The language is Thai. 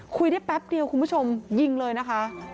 ได้แป๊บเดียวคุณผู้ชมยิงเลยนะคะ